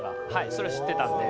それは知ってたので。